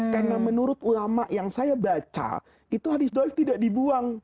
karena menurut ulama yang saya baca itu hadis do'if tidak dibuang